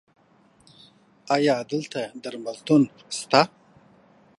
ایا دلته درملتون شته؟